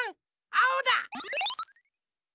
あおだ！